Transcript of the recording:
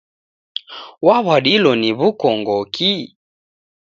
Waw'adilo ni w'ukongoki?